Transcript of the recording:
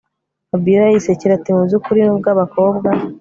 Fabiora yisekera atimubyukuri nubwo abakobwa